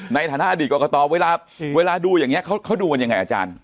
ในฐานะอดีตกรกตเวลาดูอย่างนี้เขาดูกันยังไงอาจารย์